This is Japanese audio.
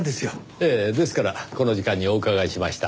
ええですからこの時間にお伺いしました。